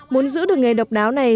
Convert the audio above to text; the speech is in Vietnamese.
muốn giữ được nghề độc đáo này